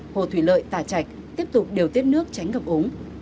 hồ thủy lợi tà chạch tiếp tục điều tiết nước tránh ngập ống